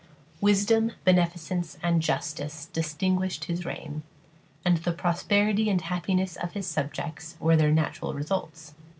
Wisdom, beneficence, and justice distinguished his reign, and the prosperity and happiness of his subjects were their natural results.